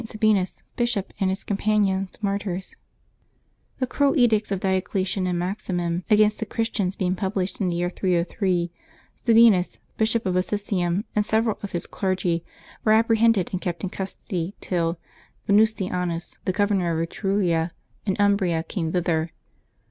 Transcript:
SABINUS, Bishop, and his Companions, Martyrs. CHE cruel edicts of Diocletian and Maximin against the Christians being published in the year 303, Sabinus, Bishop of Assisium, and several of his clergy, were appre hended and kept in custody till Venustianus, the Governor 390 LIVES OF THE SAINTS [Dbcembeb 31 of Etruria and Umbria, came thither.